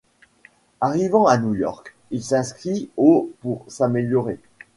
Arrivant à New York, il s'inscrit au pour s'améliorer.